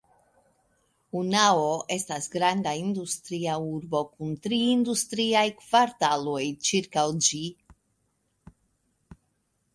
Unnao estas granda industria urbo kun tri industriaj kvartaloj ĉirkaŭ ĝi.